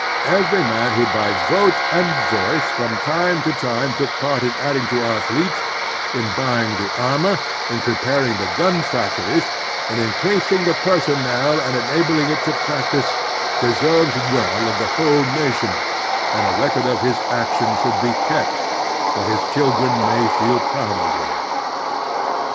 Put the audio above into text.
Every man who by vote and voice from time to time took part in adding to our fleet, I70 The Strenuous Life in bu)ang the armor, in preparing the gun fac tories, in increasing the personnel and enabling it to practise, deserves well of the whole nation, and a record of his action shotild be kept, that his children may feel proud of him.